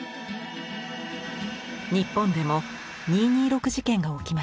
日本でも二・二六事件が起きました。